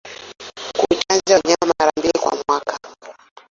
Kuchanja wanyama mara mbili kwa mwaka